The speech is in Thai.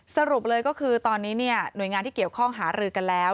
สรุปเลยก็คือตอนนี้หน่วยงานที่เกี่ยวข้องหารือกันแล้ว